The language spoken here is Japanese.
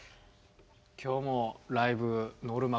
今日もライブノルマ